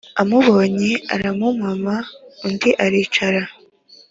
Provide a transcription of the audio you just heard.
amubonye aramumama, undi aricara.